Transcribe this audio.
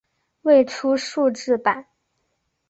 未出数字版。